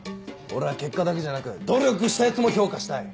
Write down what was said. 俺は結果だけじゃなく努力したヤツも評価したい。